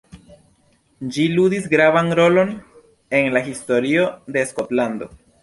Ĝi ludis gravan rolon en la historio de Skotlando.